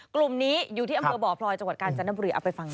กลุ่มนี้อยู่ที่อำเภอบ่อพลอยจังหวัดกาลจันทร์น้ำปรือเอาไปฟังเลย